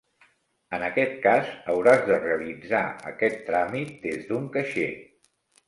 En aquest cas, hauràs de realitzar aquest tràmit des d'un caixer.